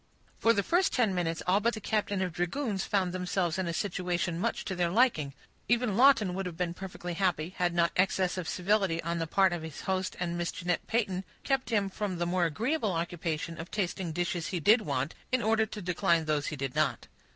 For the first ten minutes all but the captain of dragoons found themselves in a situation much to their liking. Even Lawton would have been perfectly happy, had not excess of civility on the part of his host and Miss Jeanette Peyton kept him from the more agreeable occupation of tasting dishes he did want, in order to decline those he did not.